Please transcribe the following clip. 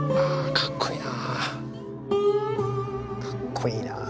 かっこいいよね。